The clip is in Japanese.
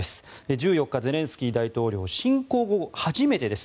１４日、ゼレンスキー大統領は侵攻後初めてです。